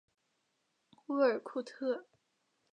乌尔库特。